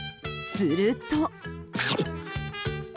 すると。